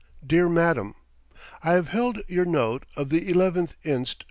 DEAR MADAM: I have held your note of the 11th inst.